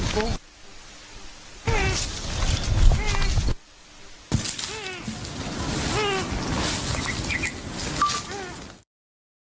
ติดมูจก่อน